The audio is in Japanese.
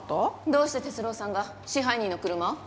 どうして哲郎さんが支配人の車を？